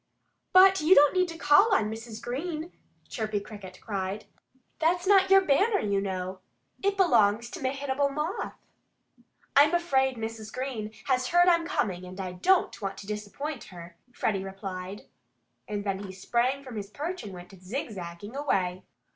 "But you don't need to call on Mrs. Green!" Chirpy Cricket cried. "That's not your banner, you know. It belongs to Mehitable Moth." "I'm afraid Mrs. Green has heard I'm coming; and I don't want to disappoint her," Freddie replied. And then he sprang from his perch and went zigzagging away.